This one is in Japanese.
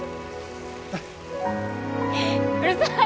うるさい！